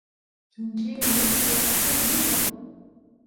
chunchilli mishki akush mikoq